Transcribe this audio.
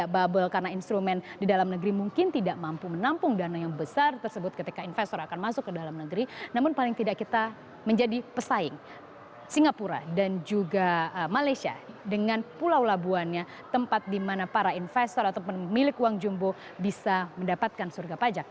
berita terkini dari dpr